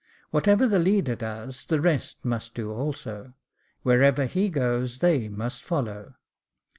Whatever the leader does, the rest must do also ; wherever he goes they must follow.